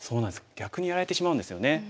逆にやられてしまうんですよね。